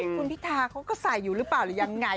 คุณพิธาเขาก็ใส่อยู่หรือเปล่าหรือยังไง